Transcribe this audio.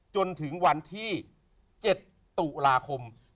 จนถึงวันที่๗ตุลาคม